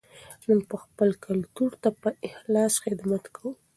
موږ به خپل کلتور ته په اخلاص خدمت کوو.